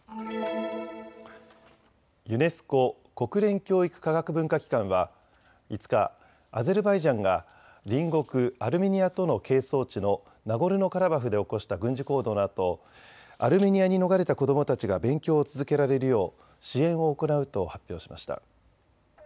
ユネスコ・国連教育科学文化機関は５日、アゼルバイジャンが隣国アルメニアとの係争地のナゴルノカラバフで起こした軍事行動のあとアルメニアに逃れた子どもたちが勉強を続けられるよう支援を行うと発表しました。